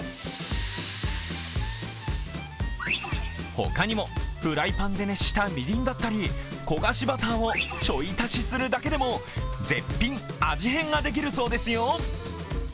他にもフライパンで熱したみりんだったり焦がしバターをちょい足しするだけでも絶品、味変ができるそうですよ。